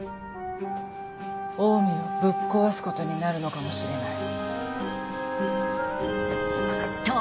オウミをぶっ壊すことになるのかもしれない。